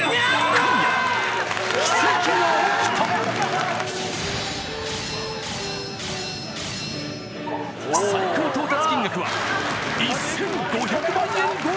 今夜奇跡が起きた最高到達金額は１５００万円超え！